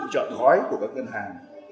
chọn gói của các ngân hàng